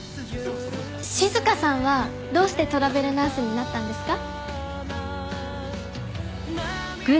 静さんはどうしてトラベルナースになったんですか？